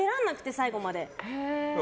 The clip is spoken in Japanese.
最後まで。